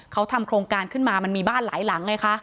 เขาทำโครงการขึ้นมามันมีบ้านหลายหลังไงคะ